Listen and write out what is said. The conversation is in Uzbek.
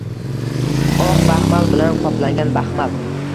Oq baxmal bilan qoplangan baxmal